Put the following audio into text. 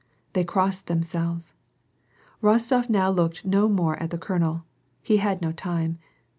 They crossed themselves. Rostof now looked no more at the colonel : he had no time.